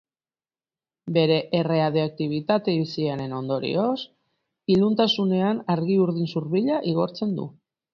Bere erradioaktibitate biziaren ondorioz, iluntasunean argi urdin zurbila igortzen du.